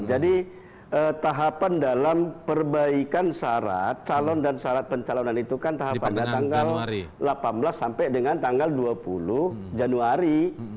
jadi tahapan dalam perbaikan syarat calon dan syarat pencalonan itu kan tahapannya tanggal delapan belas sampai dengan tanggal dua puluh januari